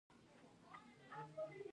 خصوصي روغتونونه سوداګري کوي